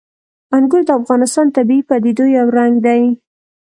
انګور د افغانستان د طبیعي پدیدو یو رنګ دی.